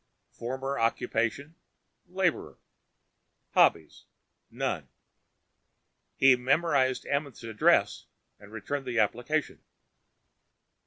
Former Occupation: Laborer. Hobbies: None. He memorized Amenth's address and returned the application.